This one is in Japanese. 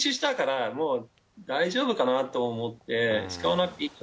大丈夫かなと思って。